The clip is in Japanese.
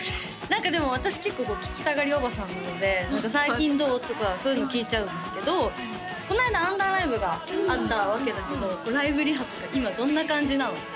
何かでも私結構聞きたがりおばさんなので最近どう？とかそういうの聞いちゃうんですけどこの間アンダーライブがあったわけだけどライブリハとか今どんな感じなの？